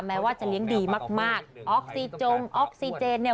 แม้ว่าจะเลี้ยงดีมากมากออกซีจงออกซีเจนเนี่ย